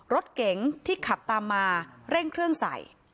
รถเก๋งที่ขับตามมาเร่งเครื่องใส่